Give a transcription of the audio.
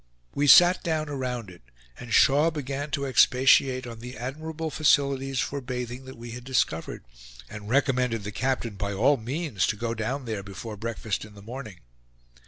We sat down around it, and Shaw began to expatiate on the admirable facilities for bathing that we had discovered, and recommended the captain by all means to go down there before breakfast in the morning.